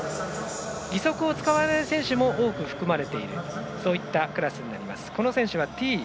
義足を使わない選手も多く含まれているそういったクラスになります。